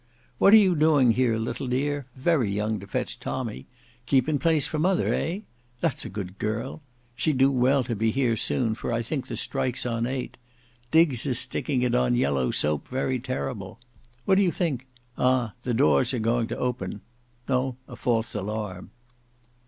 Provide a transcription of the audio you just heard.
What are you doing here, little dear; very young to fetch tommy; keeping place for mother, eh! that's a good girl; she'd do well to be here soon, for I think the strike's on eight. Diggs is sticking it on yellow soap very terrible. What do you think—Ah! the doors are going to open. No—a false alarm."